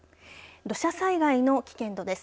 土砂災害の危険度です。